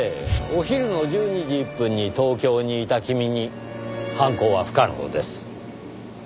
お昼の１２時１分に東京にいた君に犯行は不可能です。